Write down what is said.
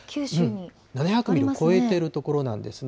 ７００ミリを超えている所なんですね。